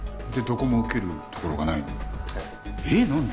でどこも受けるところがないの？